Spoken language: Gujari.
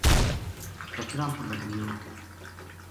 کچراں پو لدیو